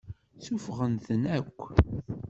Suffɣet-ten akk.